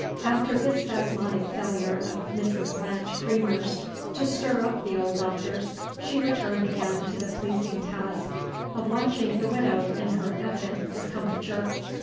After this spasmodic failure of Mrs. Blanche Creamer's to stir up the old Doctors, she returned again to the pleasing task of watching the Widow in her evident discomfiture.